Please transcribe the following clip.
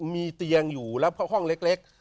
มีเตียงอยู่แล้วเพราะห้องเล็ก